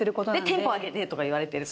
テンポ上げてとか言われてるから。